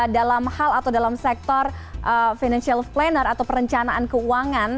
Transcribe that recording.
dalam hal atau dalam sektor financial planner atau perencanaan keuangan